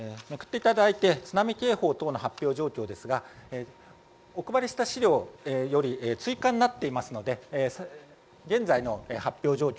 津波警報の発表状況ですがお配りした資料より追加になっていますので現在の発表状況